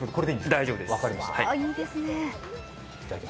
大丈夫です。